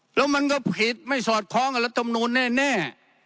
แล้วมันก็ผิดไม่สอดคล้องกับรัฐมนูลแน่